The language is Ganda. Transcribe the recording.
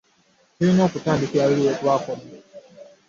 Tulina kutandikira luli wetwakoma.